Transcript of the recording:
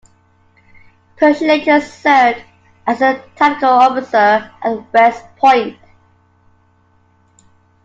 Pershing later served as a tactical officer at West Point.